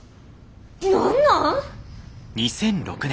何なん！